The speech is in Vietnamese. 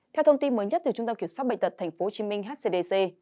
theo thông tin mới nhất từ trung tâm kiểm soát bệnh tật tp hcm hcdc